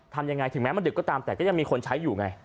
ทำยังไงถึงแม้มันดึกก็ตามแต่ก็ยังมีคนใช้อยู่ไง